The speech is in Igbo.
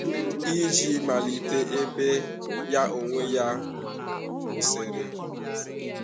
iji malite ebe ya onwe ya kwụsịrị.